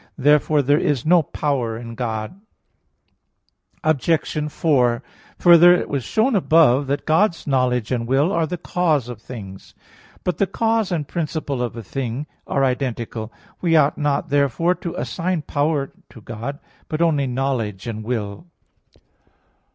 Therefore there is no power in God. Obj. 4: Further, it was shown above (Q. 14, A. 8; Q. 19, A. 4) that God's knowledge and will are the cause of things. But the cause and principle of a thing are identical. We ought not, therefore, to assign power to God; but only knowledge and will.